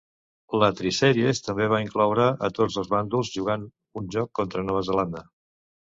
La Tri-sèries també va incloure a tots dos bàndols jugant un joc contra Nova Zelanda.